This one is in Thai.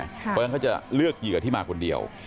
เพราะฉะนั้นเขาจะเลือกเหยื่อที่มาคนเดียว